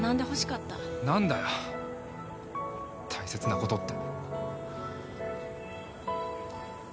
何だよ大切なことって。